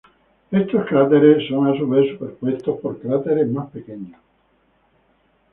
Estos cráteres son a su vez superpuestos por cráteres más pequeños.